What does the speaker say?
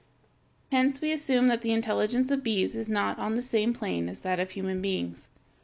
Hence we assume that the intelligence of bees is not on the same plane as that of human beings.